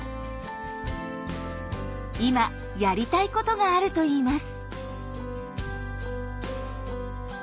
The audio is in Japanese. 今やりたいことがあるといいます。